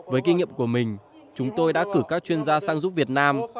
với kinh nghiệm của mình chúng tôi đã cử các chuyên gia sang giúp việt nam